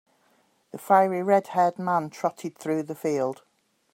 The fiery red-haired man trotted through the field.